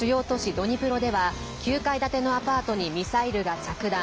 ドニプロでは９階建てのアパートにミサイルが着弾。